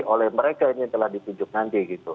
oleh mereka yang telah ditunjukkan